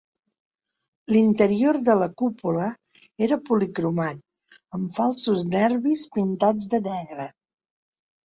L'interior de la cúpula era policromat, amb falsos nervis pintats de negre.